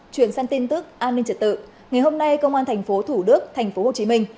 chuyển sang tin tức an ninh trật tự ngày hôm nay công an thành phố thủ đức thành phố hồ chí minh